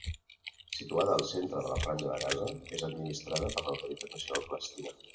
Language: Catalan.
Situada al centre de la Franja de Gaza, és administrada per l'Autoritat Nacional Palestina.